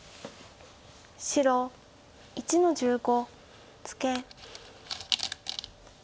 白１の十五ツケ。